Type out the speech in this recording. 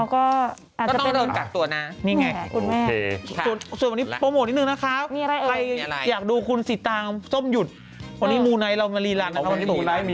ก็ต้องโดนจัดตัวนะคุณแม่ค่ะงั้นแหละนะคะโอเค